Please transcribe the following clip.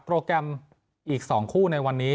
โปรแกรมอีก๒คู่ในวันนี้